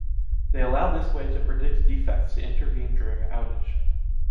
They allow this way to predict defects to intervene during a outage.